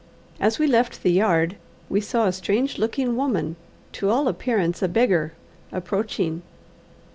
As we left the yard, we saw a strange looking woman, to all appearance a beggar, approaching.